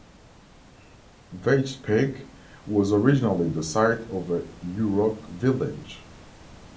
Weitchpec was originally the site of a Yurok village.